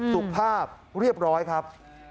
สุภาพเรียบร้อยครับ